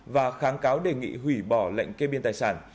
và kháng cáo đề nghị hủy bỏ lệnh kê biên tài sản